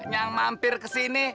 yang mampir kesini